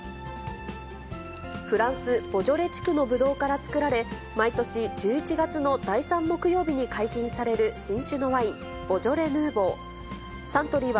フランス・ボジョレ地区のぶどうから造られ、毎年１１月の第３木曜日に解禁される新酒のワイン、ボジョレ・ヌーボー。